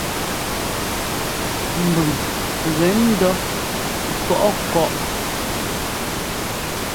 Mbʉ́ŋ gɛ ndɔ́ pɔʼɔ kɔ́.